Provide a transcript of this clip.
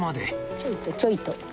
ちょいとちょいと。